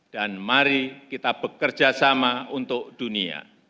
dan mari kita bekerja sama untuk dunia